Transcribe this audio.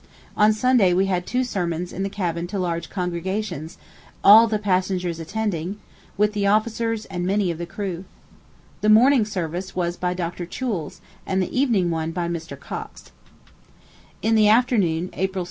On Sunday we had two sermons in the cabin to large congregations, all the passengers attending, with the officers and many of the crew. The morning service was by Dr. Choules, and the evening one by Mr. Cox. [Illustration: Four Positions of an Iceberg, seen 6th of April.